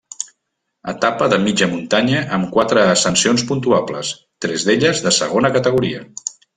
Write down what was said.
Etapa de mitja muntanya amb quatre ascensions puntuables, tres d'elles de segona categoria.